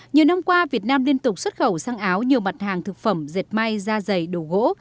nhiều năm qua việt nam liên tục xuất khẩu sang áo nhiều mặt hàng thực phẩm dệt may da dày đồ gỗ